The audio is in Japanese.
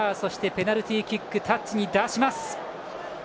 ペナルティーキックタッチに出します。